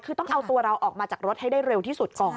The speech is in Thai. คือต้องเอาตัวเราออกมาจากรถให้ได้เร็วที่สุดก่อน